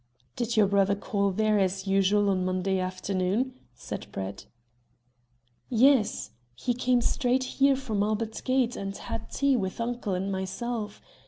"Did your brother call there as usual on Monday afternoon?" said Brett. "Yes; he came straight here from Albert Gate, and had tea with uncle and myself.